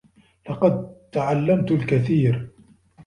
لقد تعلّمت الكثير.